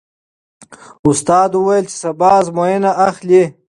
استاد وویل چې سبا ازموینه اخلي.